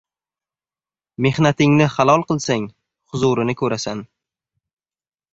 Mehnatingni halol qilsang, huzurini ko'rasan.